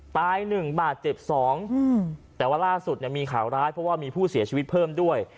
ตาย๑บาทเจ็บ๒แต่ว่าล่าสุดเนี่ยมีข่าวร้ายเพราะว่ามีผู้เสียชีวิตเพิ่มด้วย